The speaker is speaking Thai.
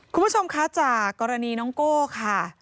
คุณผู้ชมคะจากกรณีน้องโก้ค่ะ